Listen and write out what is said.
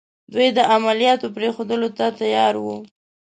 دوی د عملیاتو پرېښودلو ته تیار وو.